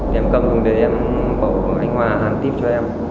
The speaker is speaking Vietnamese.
thì em cầm xuống để em bảo anh hoa hàn tiếp cho em